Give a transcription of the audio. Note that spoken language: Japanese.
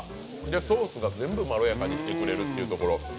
ソースが全部まろやかにしてくれるっていうところ。